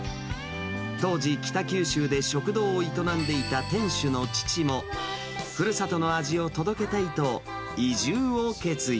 当時、北九州で食堂を営んでいた店主の父も、ふるさとの味を届けたいと、移住を決意。